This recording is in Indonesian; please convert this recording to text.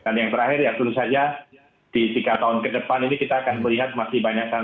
dan yang terakhir ya turut saja di tiga tahun ke depan ini kita akan melihat masih banyak tantangan